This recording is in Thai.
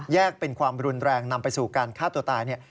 เป็นความรุนแรงนำไปสู่การฆ่าตัวตายเนี่ย